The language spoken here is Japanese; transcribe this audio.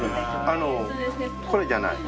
あのこれじゃない。